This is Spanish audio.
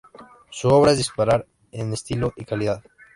Su obra es dispar en estilo y calidad.